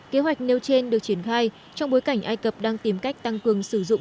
kế hoạch nêu trên được triển khai trong bối cảnh ai cập đang tìm cách tăng cường sử dụng